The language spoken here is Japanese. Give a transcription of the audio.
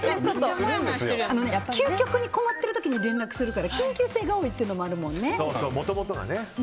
究極に困ってる時に連絡するから緊急性が多いというのもあるもんね。